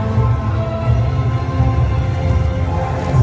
สโลแมคริปราบาล